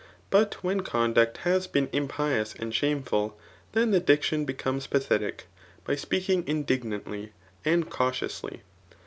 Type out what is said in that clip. But when cob>^ duct has been impious and shameful, then the diction b^ comes pathetic, by speaking indignantly, and cautiously i *' L e.